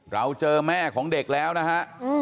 เราเจอแม่ของเด็กแล้วนะฮะ